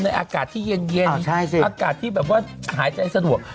อากาศที่เย็นอากาศที่แบบว่าหายใจสะดวก